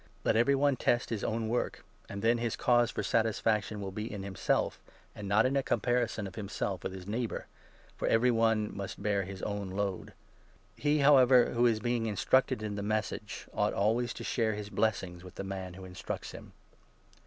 Let every one test his own 4 work, and then his cause for satisfaction will be in himself and not in a comparison of himself with his neighbour ; for every 5 one must bear his own load. ... He, however, who 6 is being instructed in the Message ought always to share his blessings with the man who instructs him.